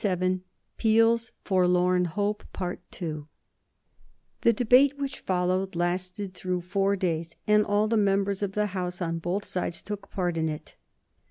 [Sidenote: 1835 William Ewart Gladstone] The debate which followed lasted through four days, and all the members of the House on both sides took part in it.